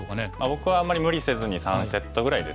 僕はあんまり無理せずに３セットぐらいですね。